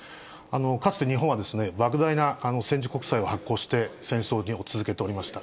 かつて日本は、ばく大な戦時国債を発行して、戦争を続けておりました。